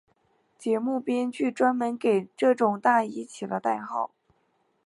节目编剧专门给这种大衣起了代号。